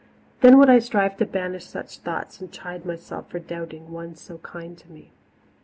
Then would I strive to banish such thoughts and chide myself for doubting one so kind to me.